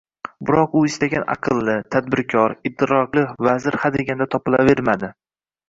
Biroq u istagan aqlli, tadbirkor, idrokli vazir hadeganda topilavermadi